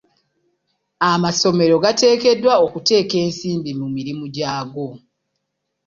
Amasomero gateekeddwa okuteeka ensimbi mu mirimu gyago.